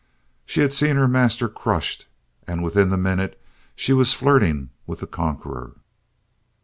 She had seen her master crushed and within the minute she was flirting with the conqueror.